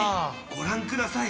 ご覧ください